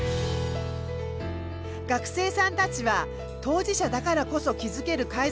学生さんたちは当事者だからこそ気付ける改善点を話し合い